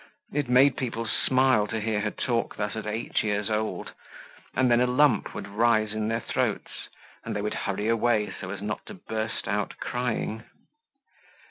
It made people smile to hear her talk thus at eight years old; and then a lump would rise in their throats, and they would hurry away so as not to burst out crying.